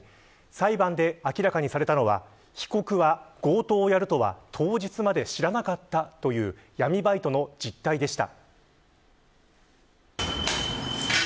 裁判で明らかにされたのは被告は強盗をやるとは当日まで知らなかったという闇バイトの実態でした。